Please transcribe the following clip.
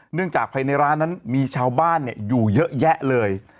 จากภายในร้านนั้นมีชาวบ้านอยู่เยอะแยะเลย